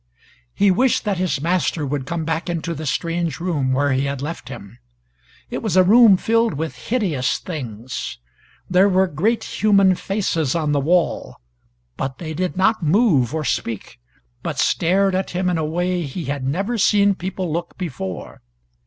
He wished that his master would come back into the strange room where he had left him. It was a room filled with hideous things. There were great human faces on the wall, but they did not move or speak, but stared at him in a way he had never seen people look before.